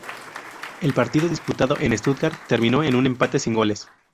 El partido disputado en Stuttgart terminó en un empate sin goles.